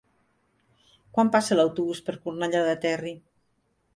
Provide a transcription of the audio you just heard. Quan passa l'autobús per Cornellà del Terri?